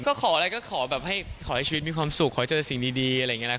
ก็ขออะไรก็ขอแบบให้ขอให้ชีวิตมีความสุขขอเจอสิ่งดีอะไรอย่างนี้นะ